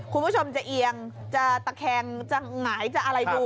คุณผู้ชมจะเอียงจะตะแคงจะหงายจะอะไรดู